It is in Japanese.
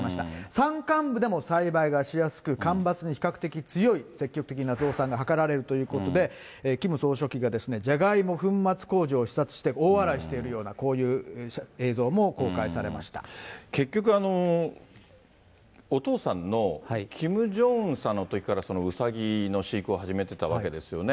山間部でも栽培がしやすく干ばつに比較的強い積極的な増産が図られるということで、キム総書記がですね、じゃがいも粉末工場を視察して大笑いしているような、こういう映結局、お父さんのキム・ジョンウンさんのときからうさぎの飼育を始めてたわけですよね。